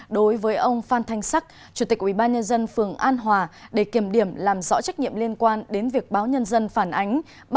đối với ông phan thanh sắc chủ tịch ubnd phường an hòa để kiểm điểm làm rõ trách nhiệm liên quan đến việc báo nhân dân phản ánh